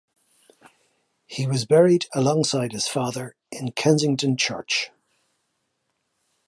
He was buried alongside his father in Kensington Church.